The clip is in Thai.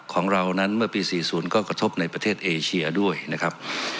ของเรานั้นเมื่อปี๔๐ก็กระทบในประเทศเอเชียด้วยนะครับ